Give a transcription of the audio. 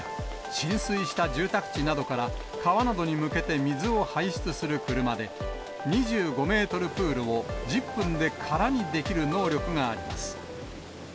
浸水した住宅地などから、川などに向けて水を排出する車で、２５メートルプールを１０分で空にできる能力があります。